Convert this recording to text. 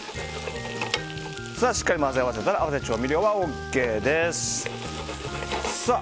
しっかり混ぜ合わせたら合わせ調味料はＯＫです。